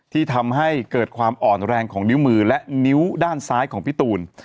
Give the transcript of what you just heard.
ที่ทำให้เกิดความอ่อนแรงของนิ้วมือและนิ้วด้านซ้ายของพี่ตูน